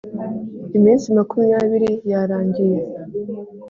iminsi makumyabiri yarangiye